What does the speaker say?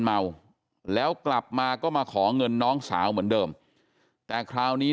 เมาแล้วกลับมาก็มาขอเงินน้องสาวเหมือนเดิมแต่คราวนี้